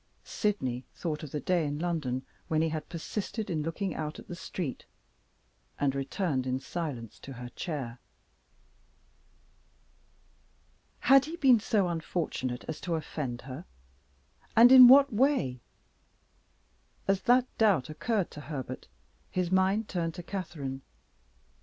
Sydney thought of the day in London when he had persisted in looking out at the street, and returned in silence to her chair. Had he been so unfortunate as to offend her? And in what way? As that doubt occurred to Herbert his mind turned to Catherine.